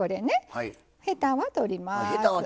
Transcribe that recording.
ヘタは取ります。